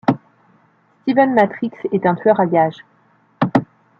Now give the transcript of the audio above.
Steven Matrix est un tueur à gages.